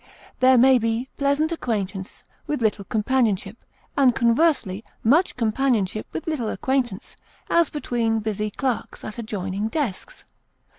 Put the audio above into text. There may be pleasant acquaintance with little companionship; and conversely, much companionship with little acquaintance, as between busy clerks at adjoining desks.